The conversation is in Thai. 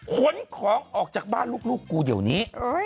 ขนของออกจากบ้านลูกกูเดี๋ยวนี้